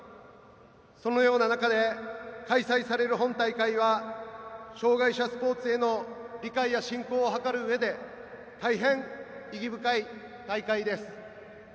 そのような中で開催される本大会は障害者スポーツへの理解や振興を図るうえで大変、意義深い大会です。